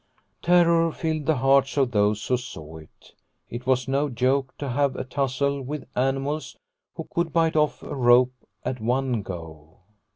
Terror filled the hearts of those who saw it. It was no joke to have a tussle with animals who could bite off a rope at one go.